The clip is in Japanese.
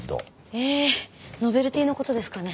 えノベルティのことですかね。